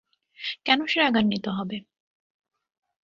কেন সে রাগান্বিত হবে?